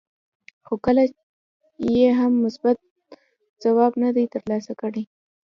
خو کله یې هم مثبت ځواب نه دی ترلاسه کړی.